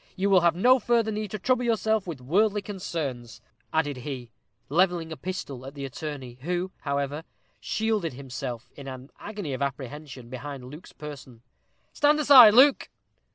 You will have no further need to trouble yourself with worldly concerns," added he, levelling a pistol at the attorney, who, however, shielded himself, in an agony of apprehension, behind Luke's person. "Stand aside, Luke."